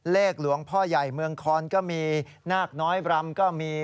เลขหลวงพ่อใหญ่เมืองคอนก็มีนาคน้อยรำก็มี